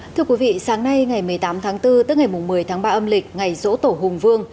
thưa quý vị sáng nay ngày một mươi tám tháng bốn tức ngày một mươi tháng ba âm lịch ngày rỗ tổ hùng vương